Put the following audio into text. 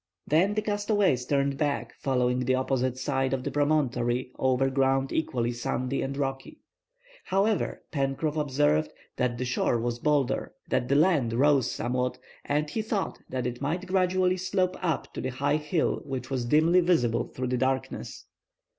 Then the castaways turned back, following the opposite side of the promontory over ground equally sandy and rocky. However, Pencroff observed that the shore was bolder, that the land rose somewhat, and he thought that it might gradually slope up to the high hill which was dimly visible through the darkness.